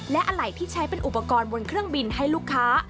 และอะไหล่ที่ใช้เป็นอุปกรณ์บนเครื่องบินให้ลูกค้า